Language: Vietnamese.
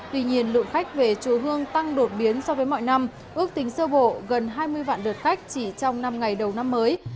tuy nhiên lượng khách về chùa hương tăng đột biến so với mọi năm ước tính sơ bộ gần hai mươi vạn lượt khách chỉ trong năm ngày đầu năm mới